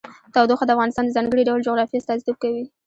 تودوخه د افغانستان د ځانګړي ډول جغرافیه استازیتوب کوي.